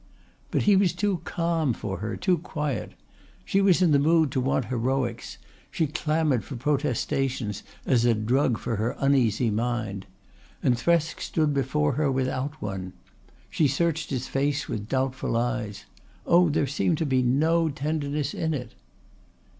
But he was too calm for her, too quiet. She was in the mood to want heroics. She clamoured for protestations as a drug for her uneasy mind. And Thresk stood before her without one. She searched his face with doubtful eyes. Oh, there seemed to her no tenderness in it.